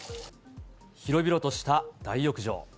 広々とした大浴場。